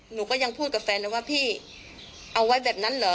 หนูก็ยังพูดกับแฟนเลยว่าพี่เอาไว้แบบนั้นเหรอ